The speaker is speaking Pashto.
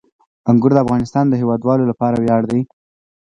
انګور د افغانستان د هیوادوالو لپاره ویاړ دی.